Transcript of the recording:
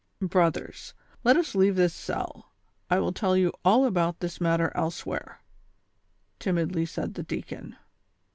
" Brothers, let us leave this cell, I ■will tell you all about this matter elsewhere," timidly said the deacon.